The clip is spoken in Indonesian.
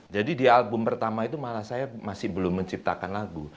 jadi di album pertama itu malah saya masih belum menciptakan lagu